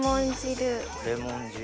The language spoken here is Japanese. レモン汁。